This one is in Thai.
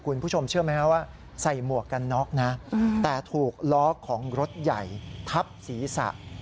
คุณผู้ชมเชื่อไหมครับว่าใส่หมวกกันน็อกนะแต่ถูกล้อของรถใหญ่ทับศีรษะ